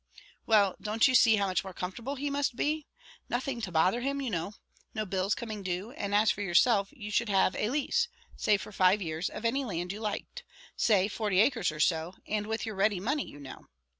"Well, don't you see how much more comfortable he must be? nothing to bother him, you know; no bills coming due; and as for yourself, you should have a lease, say for five years, of any land you liked; say forty acres or so, and with your ready money you know."